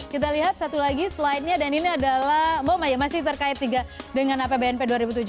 kita lihat satu lagi slide nya dan ini adalah moma ya masih terkait juga dengan apbnp dua ribu tujuh belas